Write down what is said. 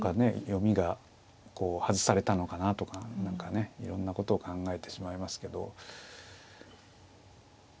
読みが外されたのかなとか何かねいろんなことを考えてしまいますけど。